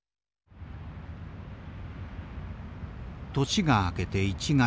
年が明けて１月。